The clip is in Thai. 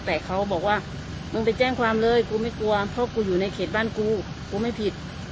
แต่เขาบอกว่ามึงไปแจ้งความเลยกูไม่กลัวเพราะกูอยู่ในเขตบ้านกูกูไม่ผิด